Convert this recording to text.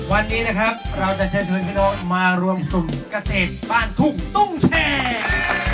วันนี้นะครับเราจะเชิญพี่น้องมาร่วมกระเศษบ้านถุงตุ้งแชร์